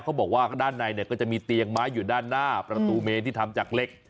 เขาบอกว่าด้านในเนี่ยก็จะมีเตียงไม้อยู่ด้านหน้าประตูเมนที่ทำจากเล็ก